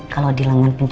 kalau dilanggan pencuci